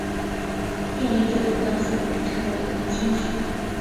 建立这种关系的人称为拟亲属。